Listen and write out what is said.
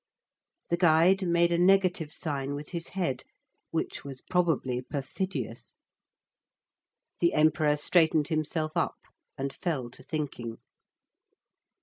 The guide made a negative sign with his head, which was probably perfidious. The Emperor straightened himself up and fell to thinking.